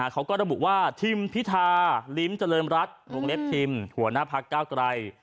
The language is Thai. เขาก็ระบุว่าทิมพิธาลิ้มเจริญรัฐวงเล็บทิมหัวหน้าพักเก้าไกร